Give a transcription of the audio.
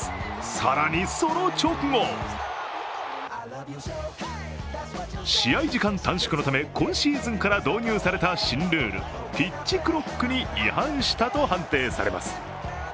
更に、その直後試合時間短縮のため今シーズンから導入された新ルール、ピッチクロックに違反したと判定されます。